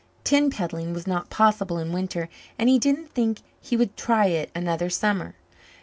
Tin peddling was not possible in winter, and he didn't think he would try it another summer.